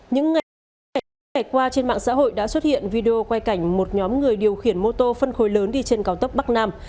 những ngày qua trên mạng xã hội đã xuất hiện video quay cảnh một nhóm người điều khiển mô tô phân khối lớn đi trên cao tốc bắc nam